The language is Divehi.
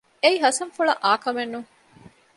އެއީ ހަސަންފުޅަށް އާކަމެއް ނޫން